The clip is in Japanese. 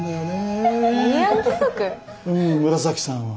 うん紫さんは。